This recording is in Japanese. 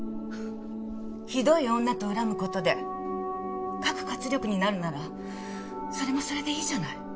ひどい女と恨む事で書く活力になるならそれもそれでいいじゃない。